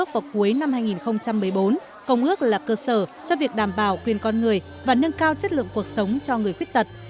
vào cuối năm hai nghìn một mươi bốn công ước là cơ sở cho việc đảm bảo quyền con người và nâng cao chất lượng cuộc sống cho người khuyết tật